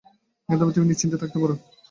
এখন থেকে তুমি নিশ্চিন্ত থাকতে পার।